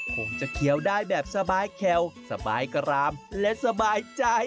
คงจะเคี้ยวได้แบบสบายแควสบายกรามและสบายใจ